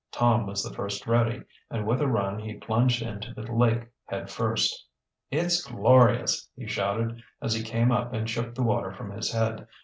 Tom was the first ready, and with a run he plunged into the lake head first. "It's glorious!" he shouted, as he came up and shook the water from his head.